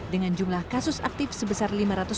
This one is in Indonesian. dengan jumlah kasus aktif sebesar lima ratus empat puluh tiga